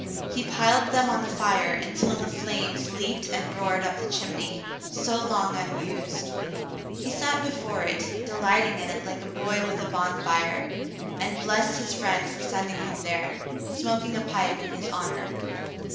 He piled them on the fire until the flames leaped and roared up the chimney, so long unused. He sat before it, delighting in it like a boy with a bonfire, and blessed his friend for sending him there, smoking a pipe in his honor.